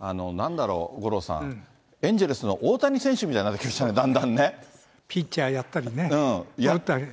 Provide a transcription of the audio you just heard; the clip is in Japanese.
なんだろう、五郎さん、エンジェルスの大谷選手みたいになっピッチャーやったりね、打ったり。